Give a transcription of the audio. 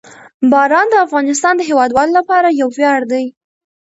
باران د افغانستان د هیوادوالو لپاره یو ویاړ دی.